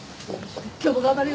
今日も頑張れよ。